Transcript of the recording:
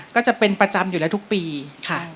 ก็จะเป็นประจำอยู่แล้วทุกปีค่ะ